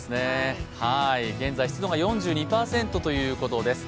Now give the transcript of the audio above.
現在、湿度が４２％ということです。